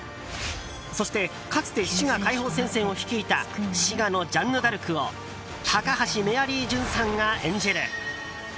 そして、かつて滋賀解放戦線を率いた滋賀のジャンヌ・ダルクを高橋メアリージュンさんが演じる。